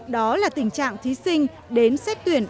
đó là tình trạng thí sinh đến xét tuyển